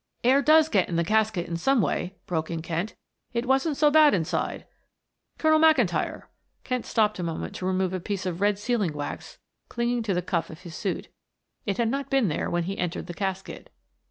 "Air does get in the casket in some way," broke in Kent. "It wasn't so bad inside. Colonel McIntyre," Kent stopped a moment to remove a piece of red sealing wax clinging to the cuff of his suit. It had not been there when he entered the casket.